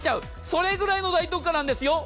それぐらいの大特価なんですよ。